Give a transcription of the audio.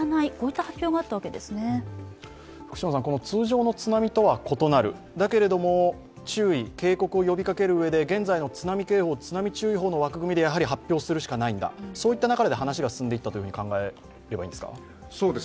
通常の津波とは異なる、だけれども注意・警告を呼びかけるうえで現在の津波警報・津波注意報の枠組みで発表するしかないんだ、そういった流れで話が進んでいったと考えればいいですか？